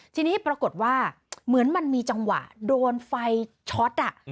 ทีนี้ปรากฏว่าเหมือนมันมีจังหวะโดนไฟช็อต